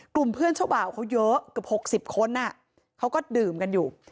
กลุ่มเพื่อนเจ้าบ่าวเขาเยอะเกือบ๖๐คนเขาก็ดื่มกันอยู่